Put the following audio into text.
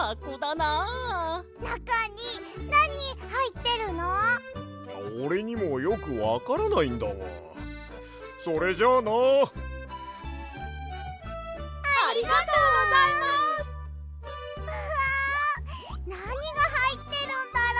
なにがはいってるんだろう？